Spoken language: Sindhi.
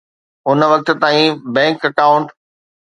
ان وقت تائين بئنڪ اڪائونٽ